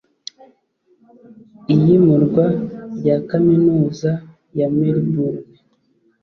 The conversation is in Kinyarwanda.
Iyimurwa rya kaminuza ya Melbourne